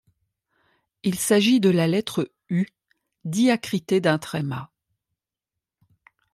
Il s'agit de la lettre U diacritée d'un tréma.